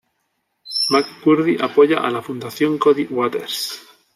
McCurdy apoya a la "Fundación Cody Waters".